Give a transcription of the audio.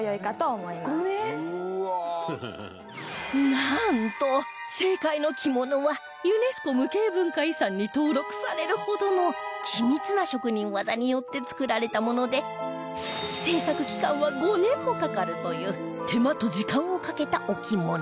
なんと正解の着物はユネスコ無形文化遺産に登録されるほどの緻密な職人技によって作られたもので製作期間は５年もかかるという手間と時間をかけたお着物